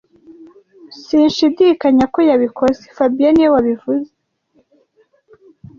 Sinshidikanya ko yabikoze fabien niwe wabivuze